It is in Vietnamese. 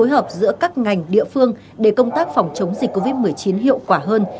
hợp giữa các ngành địa phương để công tác phòng chống dịch covid một mươi chín hiệu quả hơn